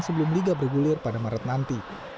sebelum liga bergulir pada maret nanti